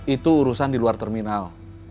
itu urusan diluar terminal